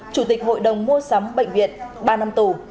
chủ tịch hội đồng mua sắm bệnh viện ba năm tù